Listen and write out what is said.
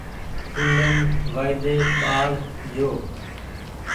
چوليم وآئيۮي ٻآڙ جو